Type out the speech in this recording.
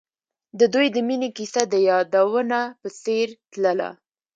د دوی د مینې کیسه د یادونه په څېر تلله.